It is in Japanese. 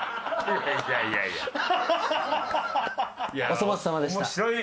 お粗末さまでした。